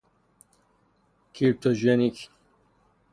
کریپتوژنیک